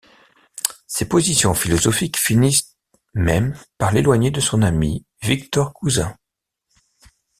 Ses positions philosophiques finissent même par l'éloigner de son ami Victor Cousin.